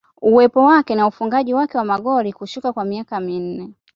Uwepo wake na ufungaji wake wa magoli kushuka kwa miaka minne